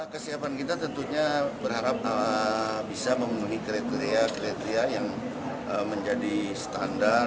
kesiapan kita tentunya berharap bisa memenuhi kriteria kriteria yang menjadi standar